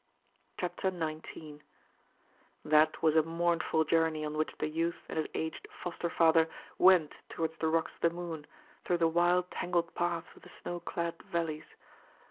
CHAPTER 19 That was a mournful journey on which the youth and his aged foster father went towards the Rocks of the Moon, through the wild tangled paths of the snow clad valleys.